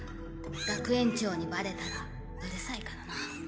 学園長にバレたらうるさいからな。